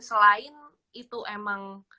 selain itu emang